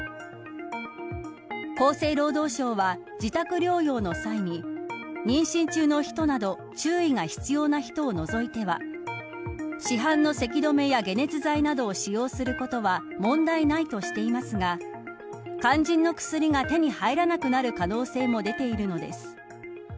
厚生労働省は自宅療養の際に妊娠中の人など注意が必要な人を除いては市販のせき止めや解熱剤などを使用することは問題ないとしていますが肝心の薬が手に入らなくなる可能性も出ているのです。